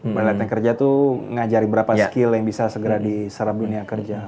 mulai latihan kerja tuh ngajari berapa skill yang bisa segera diserap dunia kerja